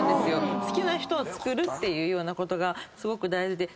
好きな人をつくるっていうことがすごく大事で。